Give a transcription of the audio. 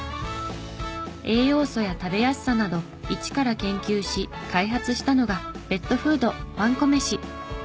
栄養素や食べやすさなど一から研究し開発したのがペットフードワンコメシ。